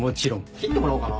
切ってもらおうかな。